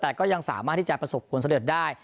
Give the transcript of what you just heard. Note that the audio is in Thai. แต่ก็ยังสามารถที่จะประสบผลสำเร็จได้